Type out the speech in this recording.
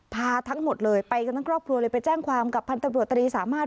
พาทั้งหมดเลยไปกันทั้งครอบครัวเลยไปแจ้งความกับพันธบรตรีสามารถ